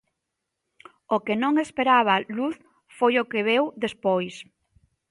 O que non esperaba Luz foi o que veu despois.